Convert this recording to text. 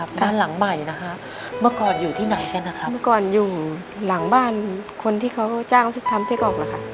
บ้านหลังใหม่นะคะเมื่อก่อนอยู่ที่ไหนกันนะครับเมื่อก่อนอยู่หลังบ้านคนที่เขาจ้างทำไส้กรอกล่ะค่ะ